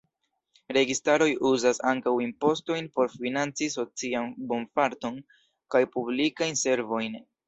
Registaroj uzas ankaŭ impostojn por financi socian bonfarton kaj publikajn servojn.